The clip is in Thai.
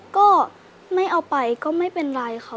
ก็ไม่เอาไปก็ไม่เป็นไรค่ะ